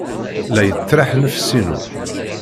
La yettraḥ nnefs-inu.